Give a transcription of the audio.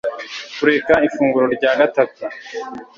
Kureka ifunguro rya gatatu